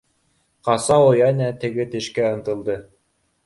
Ҡасау йәнә теге тешкә ынтылды.